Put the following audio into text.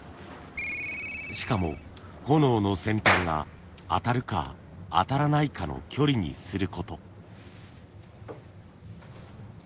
しかも炎の先端が当たるか当たらないかの距離にすること。